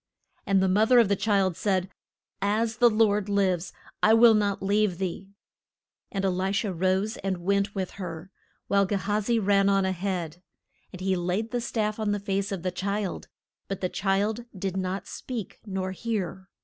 And the moth er of the child said, As the Lord lives, I will not leave thee. And E li sha rose and went with her, while Ge ha zi ran on a head. And he laid the staff on the face of the child, but the child did not speak nor hear.